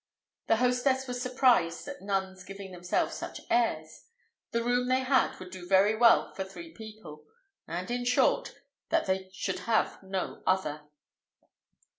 The hostess was surprised at nuns giving themselves such airs: the room they had would do very well for three people; and, in short, that they should have no other.